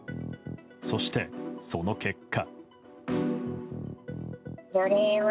そして、その結果。